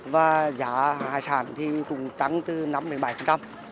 và giá hải sản thì cũng tăng từ năm đến bảy